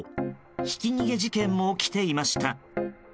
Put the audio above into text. ひき逃げ事件も起きていました。